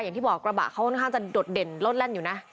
อย่างที่บอกกระบะเขาค่อนข้างจะโดดเด่นรถแล่นอยู่นะ